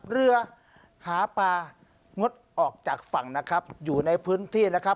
เรือหาปลางดออกจากฝั่งนะครับอยู่ในพื้นที่นะครับ